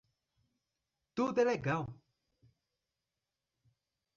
Tudo é legal